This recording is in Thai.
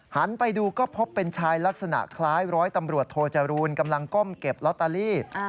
หันไปดูก็พบเป็นชายลักษณะคล้ายร้อยตำรวจโทจรูลกำลังก้มเก็บลอตเตอรี่